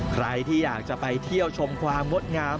ใครที่อยากจะไปเที่ยวชมความงดงาม